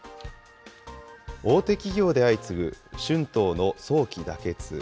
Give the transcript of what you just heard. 大手企業で相次ぐ春闘の早期妥結。